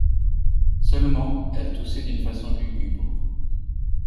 Seulement elle toussait d’une façon lugubre.